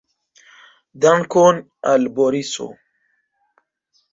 Dankon al Boriso!